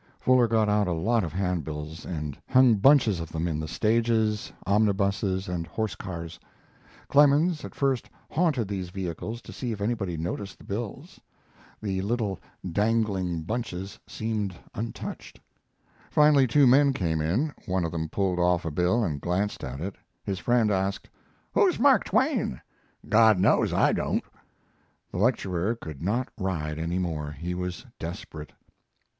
Fuller got out a lot of handbills and hung bunches of them in the stages, omnibuses, and horse cars. Clemens at first haunted these vehicles to see if anybody noticed the bills. The little dangling bunches seemed untouched. Finally two men came in; one of them pulled off a bill and glanced at it. His friend asked: "Who's Mark Twain?" "God knows; I don't!" The lecturer could not ride any more. He was desperate.